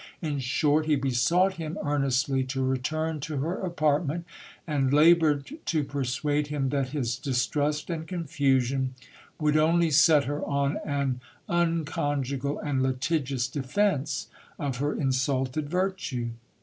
In short, he besought him earnestly to return to her apartment, and laboured to persuade him that his distrust and confusion would only set her on an unconjugal and litigious defence of her insulted virtue.